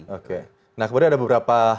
oke nah kemudian ada beberapa